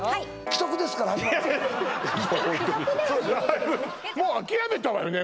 ホントにだいぶもう諦めたわよね